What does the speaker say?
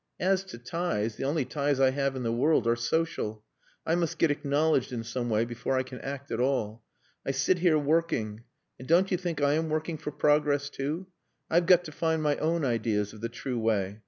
As to ties, the only ties I have in the world are social. I must get acknowledged in some way before I can act at all. I sit here working.... And don't you think I am working for progress too? I've got to find my own ideas of the true way....